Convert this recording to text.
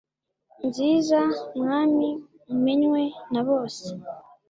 nziza, mwami, umenywe na bose